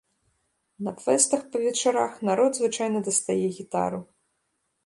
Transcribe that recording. На фэстах па вечарах народ звычайна дастае гітару.